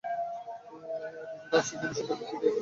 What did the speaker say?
Episode আর সিজনের সংখ্যার দিক থেকেও এটা পারফেক্ট লেগেছে আমার কাছে।